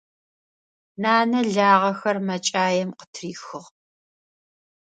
Нанэ лагъэхэр мэкӀаем къытрихыгъ.